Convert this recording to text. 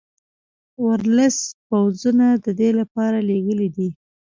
ورلسټ پوځونه د دې لپاره لېږلي دي.